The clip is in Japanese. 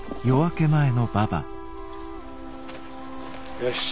よし。